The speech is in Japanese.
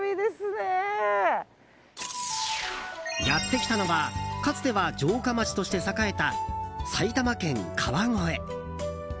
やってきたのはかつては城下町として栄えた埼玉県川越。